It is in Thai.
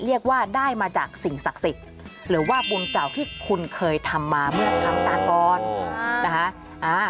เรียกว่าได้มาจากสิ่งศักดิ์สิทธิ์หรือว่าบุญเก่าที่คุณเคยทำมาเมื่อครั้งตาก่อนนะคะ